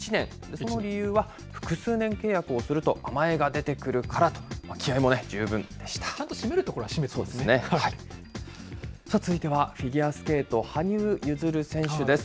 その理由は、複数年契約をすると甘えが出てくるちゃんと締めるところは締めさあ、続いてはフィギュアスケート、羽生結弦選手です。